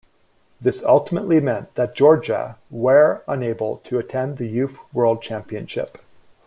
This ultimately meant that Georgia where unable to attend the youth world championship.